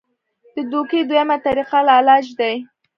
د دوکې دویمه طريقه لالچ دے -